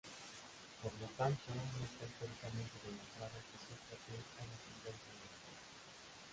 Por lo tanto, no está históricamente demostrado que Sócrates haya sido su inventor.